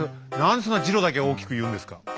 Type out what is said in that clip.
何でそんなジロだけ大きく言うんですか？